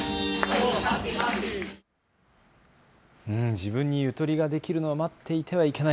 自分にゆとりができるのを待っていてはいけない。